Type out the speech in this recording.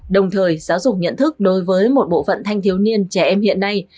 đồng thời giáo dục nhận thức đối với một bộ phận thanh thiếu niên trẻ em hiện nay